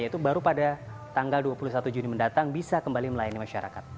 yaitu baru pada tanggal dua puluh satu juni mendatang bisa kembali melayani masyarakat